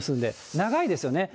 長いですよね。